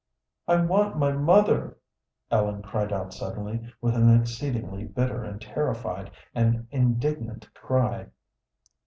"I want my mother!" Ellen cried out suddenly, with an exceedingly bitter and terrified and indignant cry.